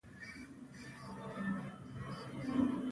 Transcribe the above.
ویده ماشوم له غېږه نه خوشې کېږي